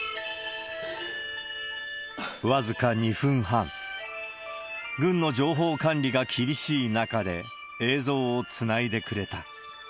僅か２分半、軍の情報管理が厳しい中で、映像をつないでくれた。